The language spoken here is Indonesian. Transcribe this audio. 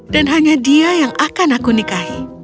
dan hanya dia yang akan aku nikahi